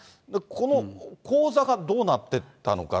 この口座がどうなってったのか。